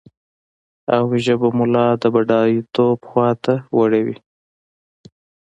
او ژبه به مو لا د بډايتوب خواته وړي وي.